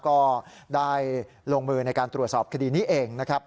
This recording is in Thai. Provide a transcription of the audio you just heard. ก็ได้ลงมือในการตรวจสอบคดีนี้เองนะครับ